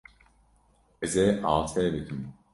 Ez ê asê bikim.